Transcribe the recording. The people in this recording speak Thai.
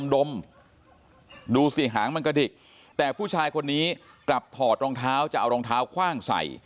ดูสิหางมันกระดิกแต่ผู้ชายคนนี้กลับถอดรองเท้าจะเอารองเท้าคว่างใส่